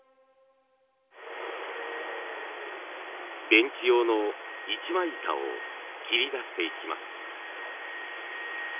ベンチ用の一枚板を切り出していきます。